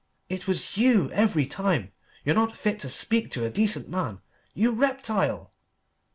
It was you every time. You're not fit to speak to a decent man, you reptile!"